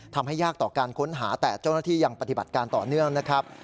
ยากต่อการค้นหาแต่เจ้าหน้าที่ยังปฏิบัติการต่อเนื่องนะครับ